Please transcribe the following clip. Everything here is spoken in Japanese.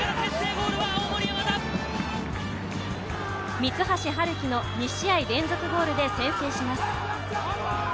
三橋春希の２試合連続ゴールで先制します。